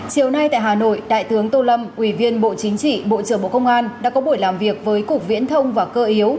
chiều nay tại hà nội đại tướng tô lâm ủy viên bộ chính trị bộ trưởng bộ công an đã có buổi làm việc với cục viễn thông và cơ yếu